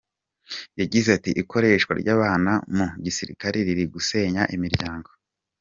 Yagize ati “Ikoreshwa ry’abana mu gisirikare riri gusenya imiryango.